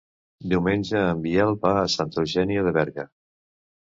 Diumenge en Biel va a Santa Eugènia de Berga.